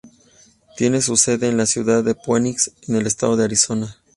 Tiene su sede en la ciudad de Phoenix, en el estado de Arizona.